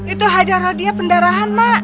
itu hajar rodia pendarahan ma